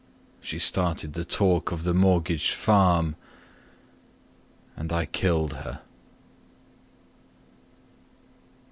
She started the talk of the mortgaged farm, And I killed her.